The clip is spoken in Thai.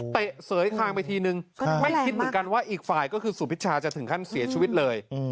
เสยคางไปทีนึงไม่คิดเหมือนกันว่าอีกฝ่ายก็คือสุพิชชาจะถึงขั้นเสียชีวิตเลย